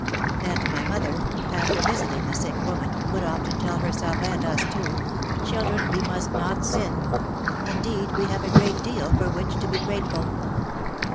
And my mother, after visiting the sick woman, would often tell herself and us too, "Children, we must not sin. Indeed we have a great deal for which to be grateful."